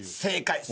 正解。